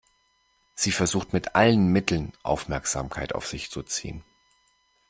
Sie versucht mit allen Mitteln, Aufmerksamkeit auf sich zu ziehen.